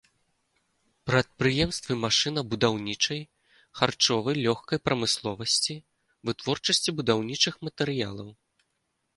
Прадпрыемствы машынабудаўнічай, харчовы, лёгкай прамысловасці, вытворчасці будаўнічых матэрыялаў.